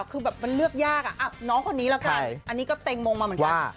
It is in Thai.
คือแบบมันเลือกยากน้องคนนี้แล้วกันอันนี้ก็เต็งมงมาเหมือนกัน